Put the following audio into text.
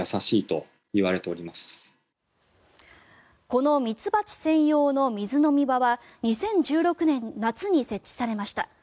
この蜜蜂専用の水飲み場は２０１６年夏に設置されました。